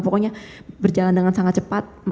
pokoknya berjalan dengan sangat cepat